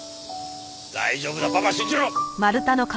大丈夫だパパを信じろ。